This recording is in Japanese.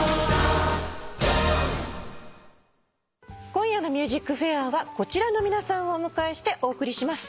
今夜の『ＭＵＳＩＣＦＡＩＲ』はこちらの皆さんをお迎えしてお送りします。